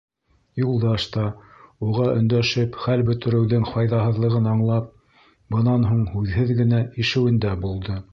Юлдаш та, уға өндәшеп хәл бөтөрөүҙең файҙаһыҙлығын аңлап, бынан һуң һүҙһеҙ генә ишеүендә булды.